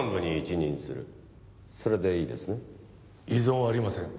異存ありません。